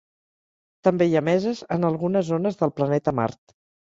També hi ha meses en algunes zones del planeta Mart.